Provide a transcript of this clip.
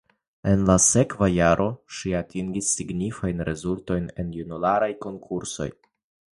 En la sekva jaro ŝi atingis signifajn rezultojn en junularaj konkursoj.